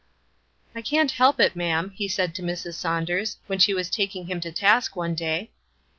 "I can't help it, ma'am," he said to Mrs. Saunders, when she was taking him to task one day.